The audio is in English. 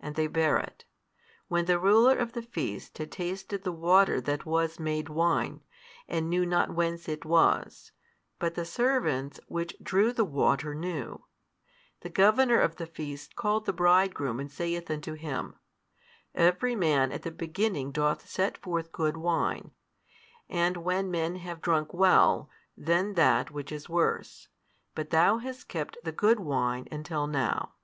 And they bare it. When the ruler of the feast had tasted the water that was made wine, and knew not whence it was (but the servants which drew the water knew); the governor of the feast called the bridegroom and saith unto him, Every man at the beginning doth set forth good wine, and when men have well drunk, then that which is worse; but thou hast kept the good wine until now.